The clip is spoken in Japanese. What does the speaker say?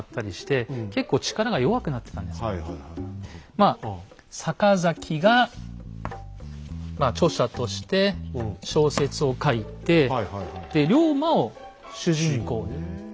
まあ坂崎が著者として小説を書いて龍馬を主人公にしたわけですね。